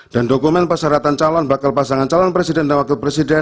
dan dokumen persyaratan calon bakal pasangan calon presiden dan wakil presiden